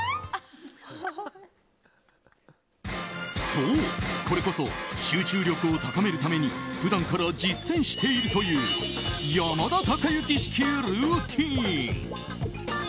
そう、これこそ集中力を高めるために普段から実践しているという山田孝之式ルーティン。